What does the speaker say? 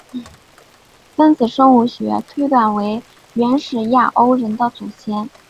分子生物学推断为原始亚欧人的祖先。